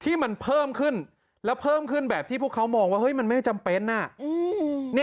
ที่มันเพิ่มขึ้นแล้วเพิ่มขึ้นแบบที่พวกเขามองว่าเฮ้ยมันไม่จำเป็น